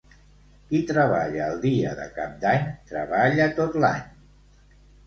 Qui treballa el dia de Cap d'Any, treballa tot l'any.